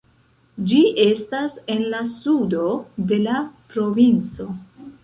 Ĝi estas en la sudo de la provinco.